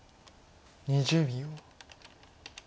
２０秒。